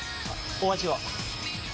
お味は？